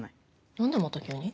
何でまた急に。